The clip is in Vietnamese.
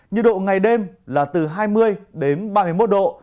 nhiệt độ ngày đêm là từ hai mươi đến ba mươi một độ